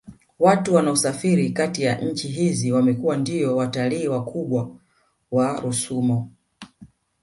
Watu wanaosafiri Kati ya nchi hizi wamekuwa ndiyo watalii wakubwa wa rusumo